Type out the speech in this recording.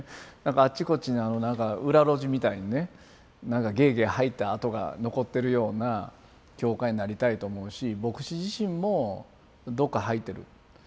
あっちこっちになんか裏路地みたいにねなんかゲーゲー吐いた跡が残ってるような教会になりたいと思うし牧師自身もどっか吐いてる。